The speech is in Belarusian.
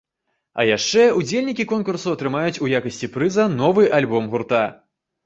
А яшчэ ўдзельнікі конкурсу атрымаюць у якасці прыза новы альбом гурта.